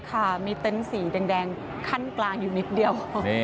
ค่ะมีเต็นต์สีแดงขั้นกลางอยู่นิดเดียว